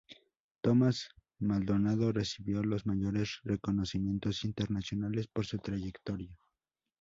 Tomás Maldonado recibió los mayores reconocimientos internacionales por su trayectoria.